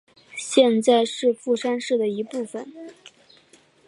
现在是富山市的一部分。